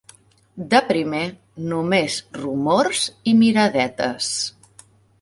De primer, només rumors i miradetes.